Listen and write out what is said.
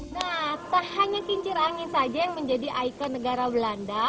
nah tak hanya kincir angin saja yang menjadi ikon negara belanda